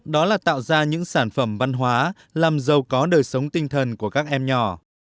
đó là tạo ra những sản phẩm văn hóa làm giàu có đời sống tinh thần của các em nhỏ